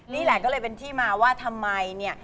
นี่แหละก็เลยเป็นที่มาว่าทำไมเนี่ย